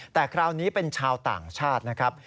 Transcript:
แต่คราวนี้เป็นชาวต่างชาตินะครับ